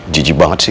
jijik banget sih